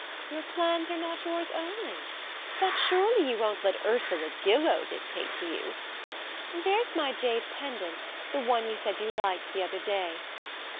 "Your plans are not yours only? But surely you won't let Ursula Gillow dictate to you?... There's my jade pendant; the one you said you liked the other day....